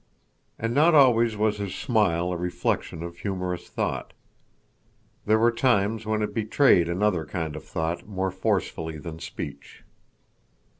And not always was his smile a reflection of humorous thought. There were times when it betrayed another kind of thought more forcefully than speech.